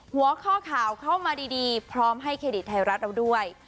หัวข้อข่าวเข้ามาดีพร้อมให้เครดิตไทยรัฐเราด้วย